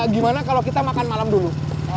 gimana kalau kita makan malam dulu